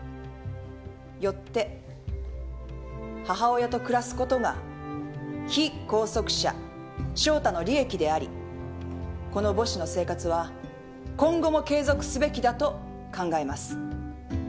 よって母親と暮らすことが被拘束者翔太の利益でありこの母子の生活は今後も継続すべきだと考えます。